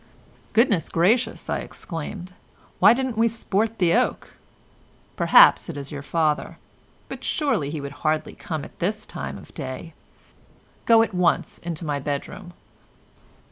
"Goodness gracious," I exclaimed, "why didn't we sport the oak? Perhaps it is your father. But surely he would hardly come at this time of day! Go at once into my bedroom."